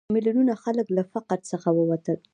میلیونونه خلک له فقر څخه ووتل.